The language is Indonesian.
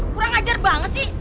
kurang ajar banget sih